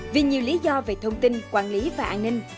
vì nhiều lý do về thông tin quản lý và an ninh